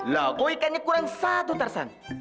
laku ikannya kurang satu tarzan